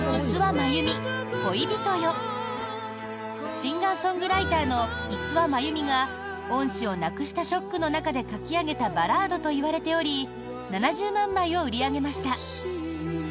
シンガー・ソングライターの五輪真弓が恩師を亡くしたショックの中で書き上げたバラードといわれており７０万枚を売り上げました。